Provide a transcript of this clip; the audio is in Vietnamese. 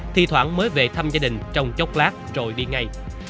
thi thoảng mới về thăm gia đình trong chốc lát rồi đi ngay